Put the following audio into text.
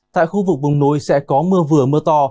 tại khu vực vùng núi sẽ có mưa vừa mưa to